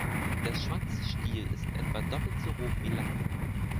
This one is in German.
Der Schwanzstiel ist etwa doppelt so hoch wie lang.